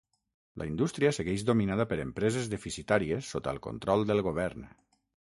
La indústria segueix dominada per empreses deficitàries sota el control del govern.